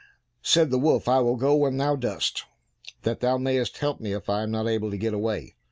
Said the wolf, "I will go when thou dost, that thou mayest help me if I am not able to get away."